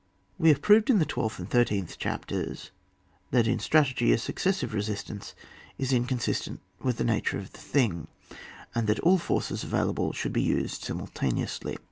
We liave proved, in the twelfth and thir teenth chapters, that in strategy a suc cessive resistance is inconsistent with the nature of the thing, and that all forces available should be used simultaneously.